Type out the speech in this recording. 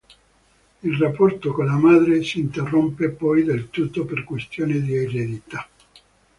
Il rapporto con la madre si interrompe poi del tutto per questioni di eredità.